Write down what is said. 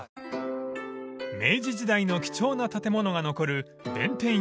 ［明治時代の貴重な建物が残る］